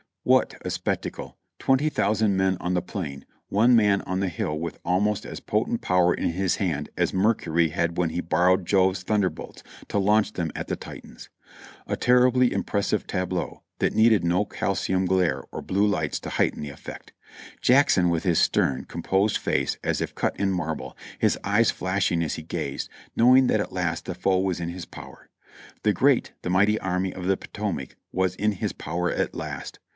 What a spectacle! Twenty thousand men on the plain, one man on the hill with almost as potent power in his hand as Mer cury had when he borrowed Jove's thunderbolts to launch them at the Titans. A terribly impressive tableau, that needed no calcium glare or blue lights to heighten the effect. Jackson, with his stern, composed face as if cut in marble, his eyes flashing as he gazed, knowing that at last the foe was in his power. The great, the mighty Army of the Potomac was in his power at last.